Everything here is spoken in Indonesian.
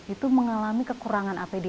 itu mengalami kekurangan apd